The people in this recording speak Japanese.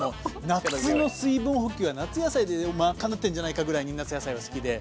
夏の水分補給は夏野菜で賄ってんじゃないかぐらいに夏野菜は好きで。